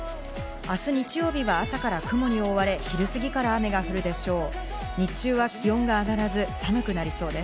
明日日曜日は朝から雲に覆われ、昼過ぎから雨が降るでしょう。